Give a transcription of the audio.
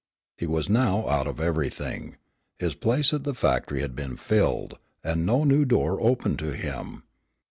He was now out of everything. His place at the factory had been filled, and no new door opened to him.